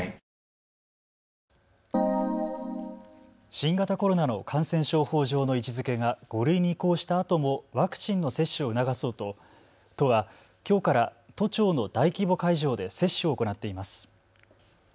新型コロナの感染症法上の位置づけが５類に移行したあともワクチンの接種を促そうと都はきょうから都庁の大規模会場で接種を行っています。